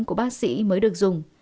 của bác sĩ mới được dùng